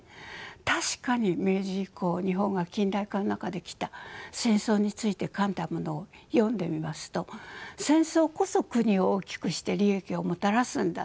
確かに明治以降日本が近代化の中できた戦争について書いたものを読んでみますと戦争こそ国を大きくして利益をもたらすんだ。